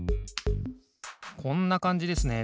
こんなかんじですね。